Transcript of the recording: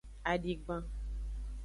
Adigban.